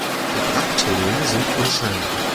Die Brakteolen sind unscheinbar.